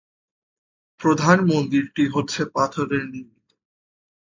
প্রধান মন্দিরটি হচ্ছে পাথরের নির্মিত।